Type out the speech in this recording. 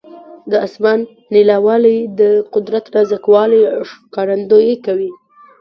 د اسمان نیلاوالی د قدرت نازک والي ښکارندویي کوي.